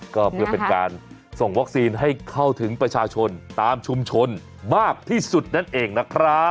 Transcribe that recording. ก็เพื่อเป็นการส่งวัคซีนให้เข้าถึงประชาชนตามชุมชนมากที่สุดนั่นเองนะครับ